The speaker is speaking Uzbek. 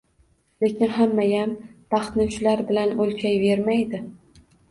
Lekin hammayam baxtni shular bilan o‘lchayvermaydi.